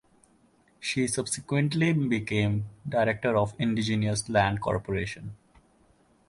She subsequently became Director of the Indigenous Land Corporation.